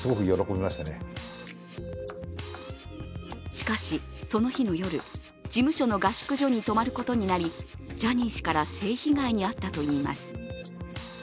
しかし、その日の夜事務所の合宿所に泊まることになりジャニー氏から性被害に遭ったといいます。